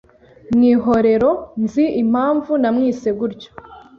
Mwihorero nzi impamvu namwise gutyo.